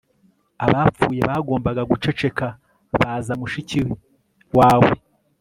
Abapfuye bagombaga guceceka baza mushiki wawe